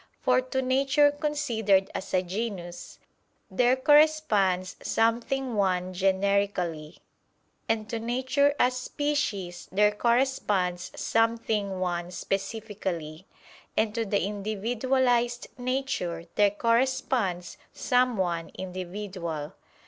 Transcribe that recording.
For to nature considered as a genus, there corresponds something one generically; and to nature as species there corresponds something one specifically; and to the individualized nature there corresponds some one individual.